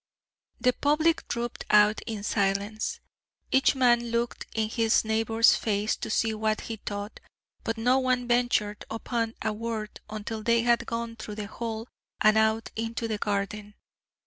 The public trooped out in silence. Each man looked in his neighbour's face to see what he thought, but no one ventured upon a word until they had gone through the hall and out into the garden.